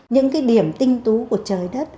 những cái điểm tinh tú của trời đất